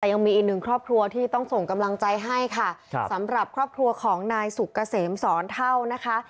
แต่ยังมีอีกหนึ่งครอบครัวที่ต้องส่งกำลังใจให้ค่ะครับสำหรับครอบครัวของนายสุกเกษมสอนเท่านะคะ